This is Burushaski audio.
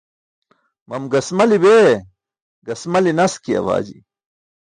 Mam gasmali bee gasmali naski awaji.